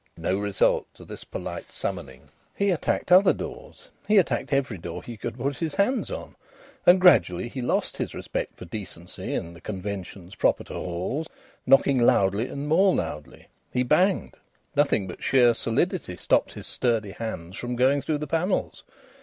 No result to this polite summoning. He attacked other doors; he attacked every door he could put his hands on; and gradually he lost his respect for decency and the conventions proper to Halls, knocking loudly and more loudly. He banged. Nothing but sheer solidity stopped his sturdy hands from going through the panels.